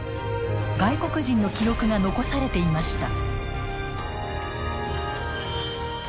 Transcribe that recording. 外国人の記録が残されていました。